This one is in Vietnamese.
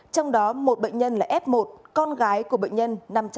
trong đó một bệnh nhân là f một con gái của bệnh nhân năm trăm chín mươi ba